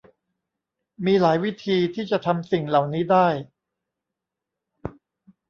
มีหลายวิธีที่จะทำสิ่งเหล่านี้ได้